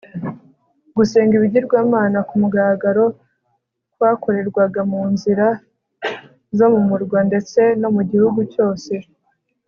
gusenga ibigirwamana ku mugaragaro kwakorerwaga mu nzira zo mu murwa ndetse no mu gihugu cyose